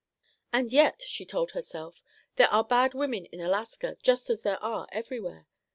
"And yet," she told herself, "there are bad women in Alaska just as there are everywhere.